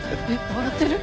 笑ってる？